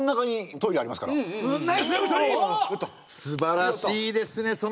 すばらしいですね